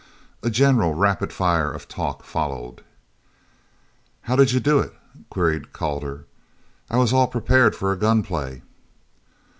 A general rapid fire of talk followed. "How did you do it?" queried Calder. "I was all prepared for a gun play."